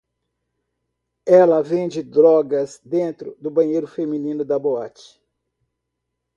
Ela vende drogas dentro do banheiro feminino da boate